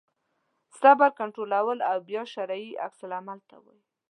صبر کنټرول او بیا شرعي عکس العمل ته وایي.